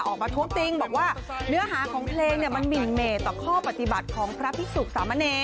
ท้วงติงบอกว่าเนื้อหาของเพลงมันหมินเมตต่อข้อปฏิบัติของพระพิสุขสามเณร